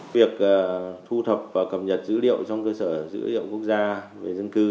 việc thu thập và cập nhật dữ liệu trong cơ sở dữ liệu quốc gia về dân cư